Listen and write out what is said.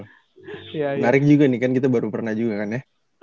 menarik juga nih kan kita baru pernah juga kan ya